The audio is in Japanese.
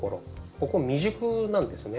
ここ未熟なんですね。